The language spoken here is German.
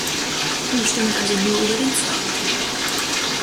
Wir stimmen also nur über den zweiten Teil ab.